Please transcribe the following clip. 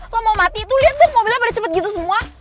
lu mau mati tuh liat dong mobilnya pada cepet gitu semua